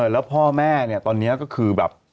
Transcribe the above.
แล้วพ่อแม่เนี่ยตอนนี้ก็คือแบบ